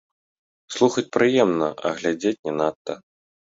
Слухаць прыемна, а глядзець не надта.